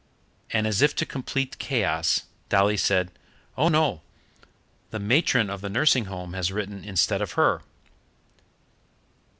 and as if to complete chaos, Dolly said, "Oh no, the matron of the nursing home has written instead of her."